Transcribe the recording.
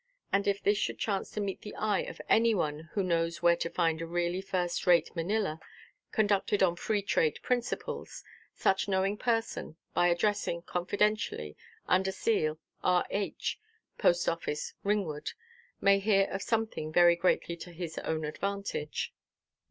And if this should chance to meet the eye of any one who knows where to find a really first–rate Manilla, conducted on free–trade principles, such knowing person, by addressing, confidentially under seal, "R. H., Post–office, Ringwood," may hear of something very greatly to his own advantage.